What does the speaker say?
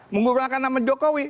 mengubahkan nama jokowi